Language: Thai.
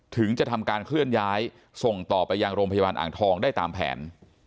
ถึงจะทำการเคลื่อนย้ายส่งต่อไปยังโรงพยาบาลอ่างทองได้ตามแผน